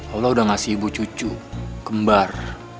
allah udah ngasih ibu cucu kembar